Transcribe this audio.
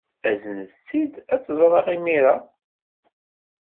Aznet-itt-id, ad tt-ẓreɣ imir-a.